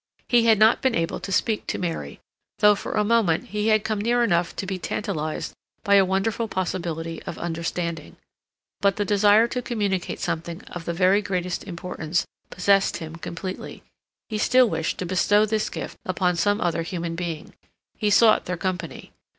He had not been able to speak to Mary, though for a moment he had come near enough to be tantalized by a wonderful possibility of understanding. But the desire to communicate something of the very greatest importance possessed him completely; he still wished to bestow this gift upon some other human being; he sought their company.